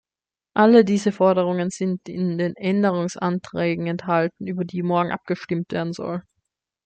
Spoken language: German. Alle diese Forderungen sind in den Änderungsanträgen enthalten, über die morgen abgestimmt werden soll.